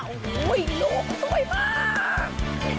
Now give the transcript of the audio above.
โอ้โหลูกสวยมาก